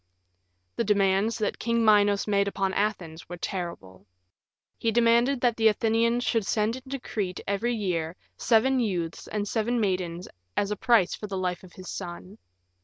The demands that King Minos made upon Athens were terrible. He demanded that the Athenians should send into Crete every year seven youths and seven maidens as a price for the life of his son.